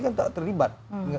kan tak terlibat